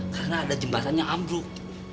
karena ada jembatan yang ambruk